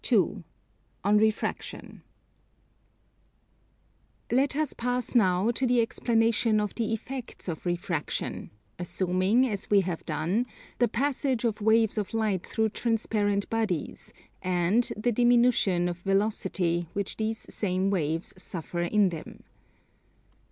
Let us pass now to the explanation of the effects of Refraction, assuming, as we have done, the passage of waves of light through transparent bodies, and the diminution of velocity which these same waves suffer in them.